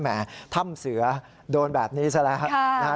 แห่ถ้ำเสือโดนแบบนี้ซะแล้วนะฮะ